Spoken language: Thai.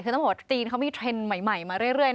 คือต้องบอกว่าจีนเขามีเทรนด์ใหม่มาเรื่อย